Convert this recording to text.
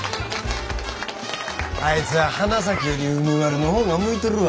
あいつは花咲より梅丸の方が向いとるわ。